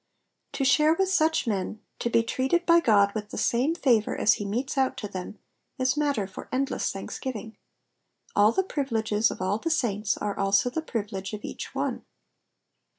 To share with such men, to be treated by Qod with the same favour as he metes out to them, is matter for endless thanksgiving. All the privileges of all the saints are also the privilege of each one.